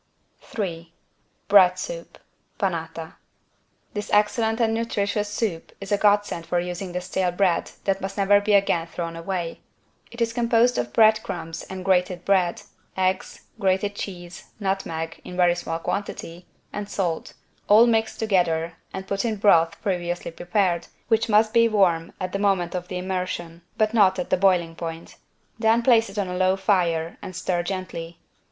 3 BREAD SOUP (Panata) This excellent and nutritious soup is a godsend for using the stale bread that must never again be thrown away. It is composed of bread crumbs and grated bread, eggs, grated cheese, nutmeg (in very small quantity) and salt, all mixed together and put in broth previously prepared, which must be warm at the moment of the immersion, but not at the boiling point. Then place it on a low fire and stir gently.